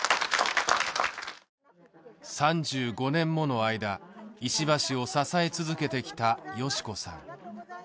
３５年もの間石破氏を支え続けてきた佳子さん